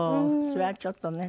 それはちょっとね。